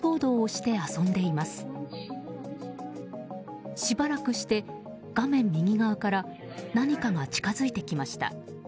しばらくして画面右側から何かが近づいてきました。